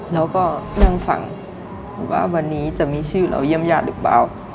แล้วก็นั่งฟังว่าวันนี้จะมีชื่อเราเยี่ยมญาติหรือเปล่า